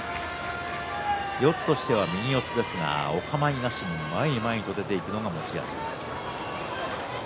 四つとしては右四つですがおかまいなしに前に前にと出ていく熱海富士です。